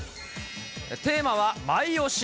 テーマは、マイ推し。